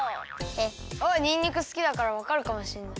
あっにんにくすきだからわかるかもしれない。